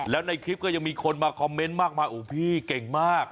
แล้วในคลิปก็ยังมีคนมาคอมเมนต์มากมายโอ้พี่เก่งมาก